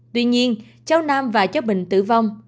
tuy nhiên cháu nam và cháu bình tử vong